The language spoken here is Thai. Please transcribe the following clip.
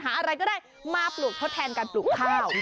อะไรก็ได้มาปลูกทดแทนการปลูกข้าว